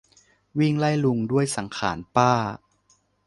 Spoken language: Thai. วิ่งไล่ลุงด้วยสังขารป้า